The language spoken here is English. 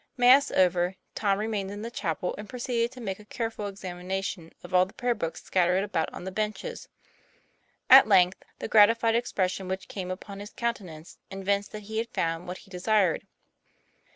Mass over, Tom remained in the chapel, and pro ceeded to make a careful examination of all the prayer books scattered about on the benches. At length the gratified expression which came upon his countenance evinced that he had found what he de sired.